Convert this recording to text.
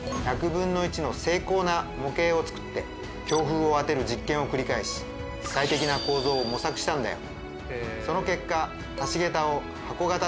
１００分の１の精巧な模型をつくって強風を当てる実験を繰り返し最適な構造を模索したんだよ。